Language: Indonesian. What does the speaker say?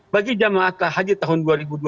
bagi jemaah haji tahun dua ribu dua puluh